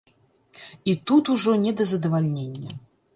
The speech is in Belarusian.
І тут ужо не да задавальнення.